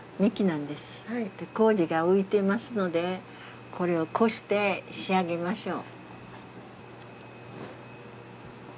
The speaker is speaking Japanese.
麹が浮いてますのでこれをこして仕上げましょう。